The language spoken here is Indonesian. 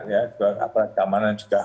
untuk keamanan juga